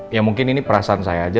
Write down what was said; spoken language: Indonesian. ya mungkin ini perasaan saya aja